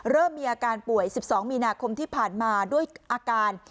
เริ่มมีอาการป่วย๑๒มีนาคมที่ผ่านมาด้วยอาการ